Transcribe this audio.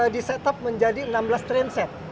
disetup menjadi enam belas train set